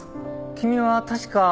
君は確か。